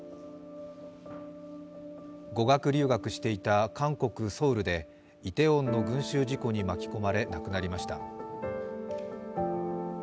語学留学していた韓国・ソウルでイテウォンの群集事故に巻き込まれ亡くなりました。